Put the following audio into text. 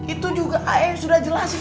itu juga ai yang sudah jelasin